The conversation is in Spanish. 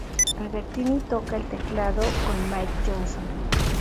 Albertini toca el teclado con Mike Johnson.